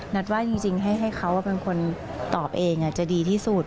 ว่าจริงให้เขาเป็นคนตอบเองจะดีที่สุด